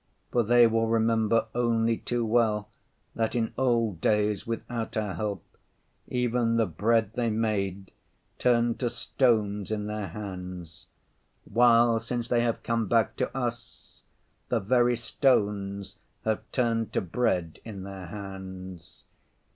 For they will remember only too well that in old days, without our help, even the bread they made turned to stones in their hands, while since they have come back to us, the very stones have turned to bread in their hands.